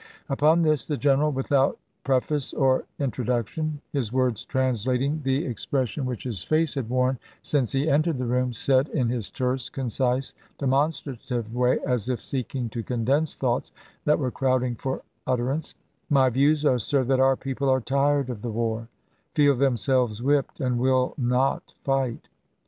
Upon this the general, without pref ace or introduction, — his words translating the expres sion which his face had worn since he entered the room, — said, in his terse, concise, demonstrative way, as if seeking to condense thoughts that were crowding for utterance :" My views are, sir, that our people are tired of the war, feel themselves whipped, and will not fight.